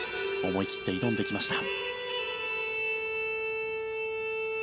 思い切って挑んできました。